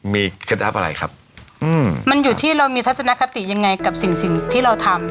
มีเคล็ดลับอะไรครับอืมมันอยู่ที่เรามีทัศนคติยังไงกับสิ่งสิ่งที่เราทำ